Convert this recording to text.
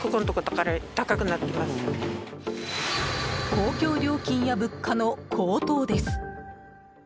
公共料金や物価の高騰です。